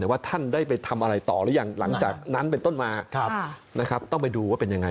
แต่ว่าท่านได้ไปทำอะไรต่อหรือยังหลังจากนั้นเป็นต้นมานะครับต้องไปดูว่าเป็นยังไง